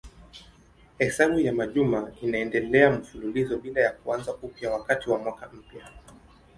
Hesabu ya majuma inaendelea mfululizo bila ya kuanza upya wakati wa mwaka mpya.